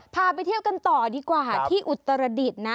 พาไปเที่ยวกันต่อดีกว่าที่อุตรดิษฐ์นะ